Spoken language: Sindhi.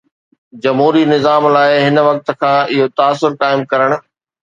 جمهوري نظام لاءِ هن وقت کان اهو تاثر قائم ڪرڻ